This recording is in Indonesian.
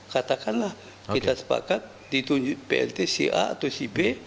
katakanlah kita sepakat ditunjuk plt si a atau si b